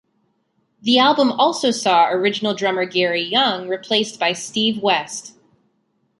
The album also saw original drummer Gary Young replaced by Steve West.